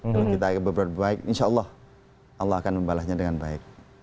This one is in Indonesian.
kalau kita berbuat baik insya allah allah akan membalasnya dengan baik